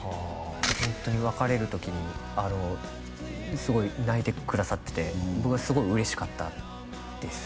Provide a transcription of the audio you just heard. ホントに別れる時にあのすごい泣いてくださってて僕はすごい嬉しかったです